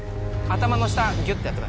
頭の下ギュって。